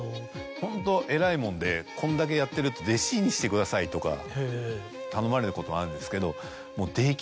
ホントえらいもんでこんだけやってると。とか頼まれることもあるんですけど。